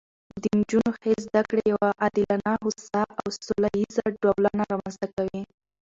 د نجونو ښې زده کړې یوه عادلانه، هوسا او سوله ییزه ټولنه رامنځته کوي